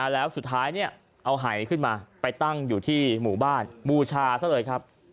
แล้วสุดท้ายเอาหายขึ้นมาไปตั้งอยู่ที่หมู่บ้านบูชาซะเลยครับ